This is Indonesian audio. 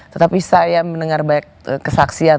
tetapi saya mendengar banyak kesaksian